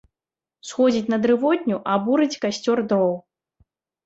Сходзіць на дрывотню абурыць касцёр дроў.